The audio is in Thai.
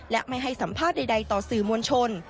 และไม่ให้สัมภาษณ์ใดต่อสื่อมวลชน